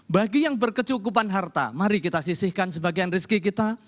bagi yang berkecukupan harta mari kita sisihkan sebagian rizki kita